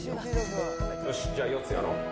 よし、じゃあ、４つやろう。